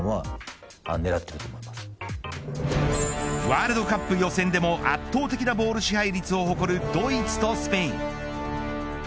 ワールドカップ予選でも圧倒的なボール支配率を誇るドイツとスペイン。